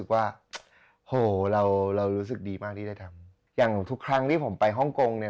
ว่าโหเราเรารู้สึกดีมากที่ได้ทำอย่างทุกครั้งที่ผมไปฮ่องกงเนี่ย